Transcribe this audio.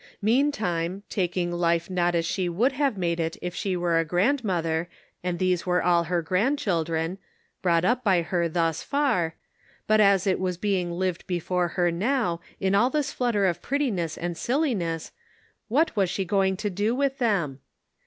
Meantime, taking life not as she would have made it if she were a grandmother, and these were all her grandchildren, brought up by her thus far, but as it was being lived before her now, in all this flutter of prettiness and silliness, what was she going to do with them